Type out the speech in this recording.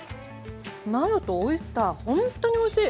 マヨとオイスターほんとにおいしい！